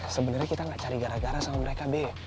sebenernya kita gak cari gara gara sama mereka be